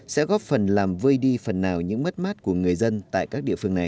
sẽ góp phần làm vơi đi phần nào những mất mát của người dân tại các địa phương này